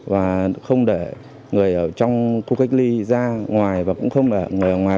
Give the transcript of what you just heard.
và không để người ở trong khu cách ly ra ngoài và cũng không là người ở ngoài